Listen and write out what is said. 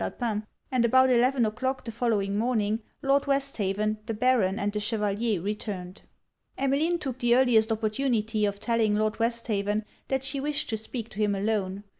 Alpin; and about eleven o'clock the following morning, Lord Westhaven, the Baron, and the Chevalier, returned. Emmeline took the earliest opportunity of telling Lord Westhaven that she wished to speak to him alone.